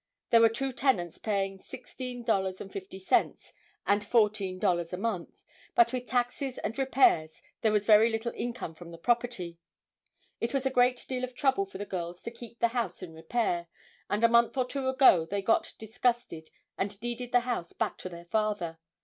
There were two tenants paying $16.50 and $14 a month, but with taxes and repairs there was very little income from the property. It was a great deal of trouble for the girls to keep the house in repair, and a month or two ago they got disgusted and deeded the house back to their father.